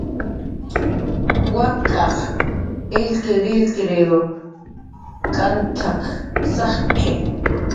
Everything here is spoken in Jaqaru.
"Wak'aq illkirillkir t'ankat"" sajiski"